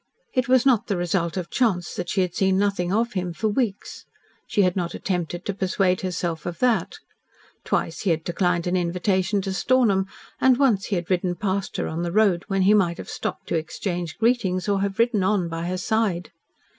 It was not the result of chance that she had seen nothing of him for weeks. She had not attempted to persuade herself of that. Twice he had declined an invitation to Stornham, and once he had ridden past her on the road when he might have stopped to exchange greetings, or have ridden on by her side.